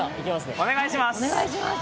お願いします。